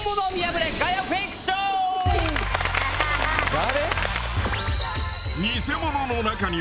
誰？